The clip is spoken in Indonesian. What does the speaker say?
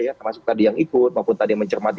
ya termasuk tadi yang ikut maupun tadi yang mencermati